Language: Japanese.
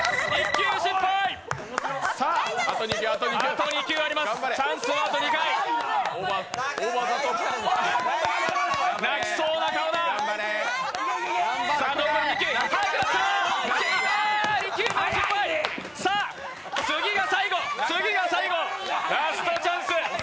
２球目失敗、次が最後、ラストチャンス！